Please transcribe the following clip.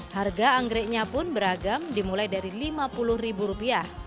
harga anggreknya pun beragam dimulai dari rp lima puluh rp lima puluh